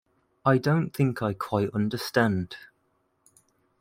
I don't think I quite understand.